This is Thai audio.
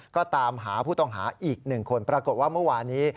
ก็ตามหาผู้ต้องหาอีก๑คนปรากฏว่าเมื่อวานี้